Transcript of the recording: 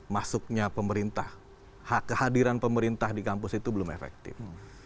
masuknya pemerintah hak kehadiran pemerintah di kampus itu belum efektif